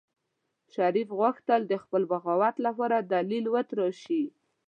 شريف غوښتل د خپل بغاوت لپاره دليل وتراشي.